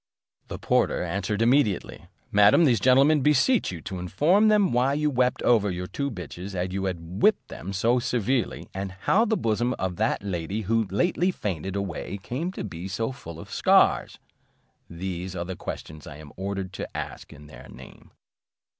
The porter answered immediately, "Madam, these gentlemen beseech you to inform them why you wept over your two bitches after you had whipped them so severely, and how the bosom of that lady who lately fainted away came to be so full of scars? These are the questions I am ordered to ask in their name."